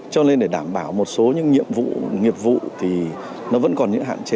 cho nên để đảm bảo một số những nhiệm vụ nghiệp vụ thì nó vẫn còn những hạn chế